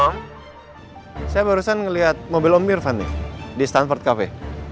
om saya barusan ngeliat mobil om irvan nih di stanford cafe